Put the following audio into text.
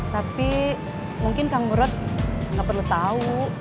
tapi mungkin kang murad gak perlu tahu